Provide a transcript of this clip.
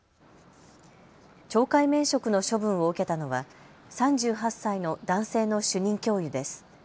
懲戒免職の処分を受けたのは３８歳の男性の主任教諭です。